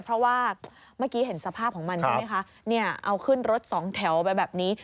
เพราะว่าเมื่อกี้เห็นสภาพของมันใช่ไหมคะเนี่ยเอาขึ้นรถสองแถวไปแบบนี้